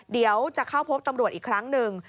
เดี๋ยวจะเข้าพบตำรวจอีกครั้งหนึ่ง